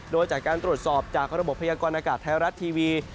โดยจากการตรวจสอบจากระบบพยากรณากาศไทยรัฐทีวี